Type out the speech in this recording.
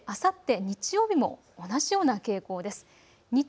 そしてあさって日曜日も同じような傾向です。